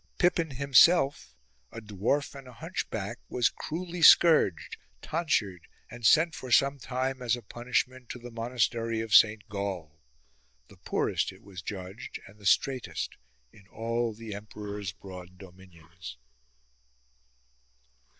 Pippin himself, a dwarf and a hunchback, was cruelly scourged, tonsured, and sent for some time as a punishment to the monastery of Saint Gall ; the poorest, it was judged, and the straitest in all the emperor's broad dominions.